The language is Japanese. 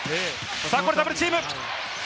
ここでダブルチーム。